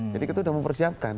jadi kita sudah mempersiapkan